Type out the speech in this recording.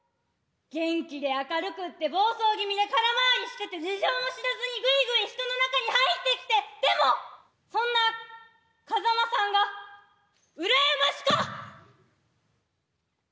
元気で明るくて暴走気味で空回りしてて事情も知らずにぐいぐい人の中に入ってきてでもそんな風間さんが裏山鹿！